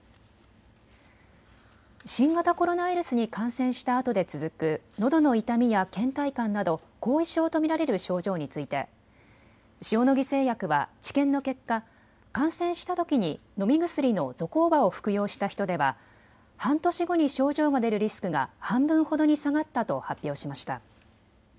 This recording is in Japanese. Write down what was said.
新型コロナウイルスに感染したあとで続く、のどの痛みやけん怠感など後遺症と見られる症状について塩野義製薬は治験の結果、感染したときに飲み薬のゾコーバを服用した人では半年後に症状が出るリスクが半分ほどに下がったと発表しました。